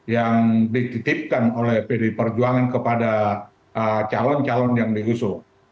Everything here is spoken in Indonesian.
yang dititipkan oleh pd perjuangan kepada calon calon yang diusung